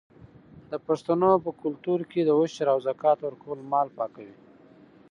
د پښتنو په کلتور کې د عشر او زکات ورکول مال پاکوي.